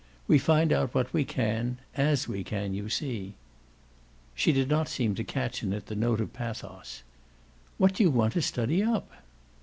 We find out what we can AS we can, you see." She did seem to catch in it the note of pathos. "What do you want to study up?"